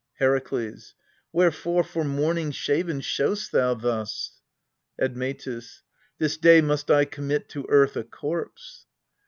Herakles. Wherefore, for mourning shaven, showst thou thus ? Admetus. This day must I commit to earth a corpse.